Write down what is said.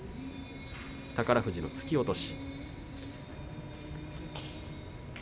宝富士の突き落とし。